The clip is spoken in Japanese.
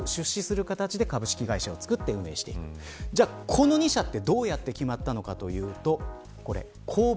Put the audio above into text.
この２社はどうやって決まったのかというと公募。